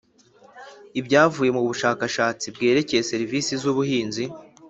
Ibyavuye mu bushakashatsi byerekeye serivisi z ubuhinzi